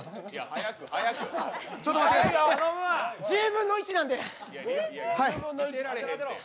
１０分の１なんで。